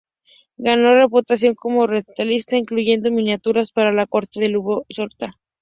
Ganó reputación como retratista, incluyendo miniaturas, para la corte de Ludovico Sforza.